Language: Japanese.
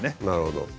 なるほど。